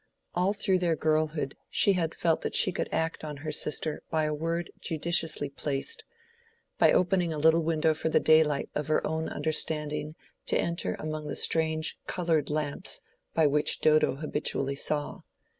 All through their girlhood she had felt that she could act on her sister by a word judiciously placed—by opening a little window for the daylight of her own understanding to enter among the strange colored lamps by which Dodo habitually saw.